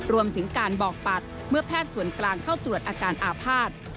รวมถึงการบอกปัดเมื่อแพทย์ส่วนกลางเข้าตรวจอาการอาภาษณ์